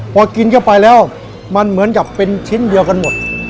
พอกินเข้าไปแล้วมันเหมือนกับเป็นชิ้นเดียวกันหมด